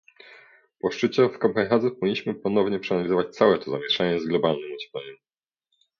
Po szczycie w Kopenhadze powinniśmy ponownie przeanalizować całe to zamieszanie z globalnym ociepleniem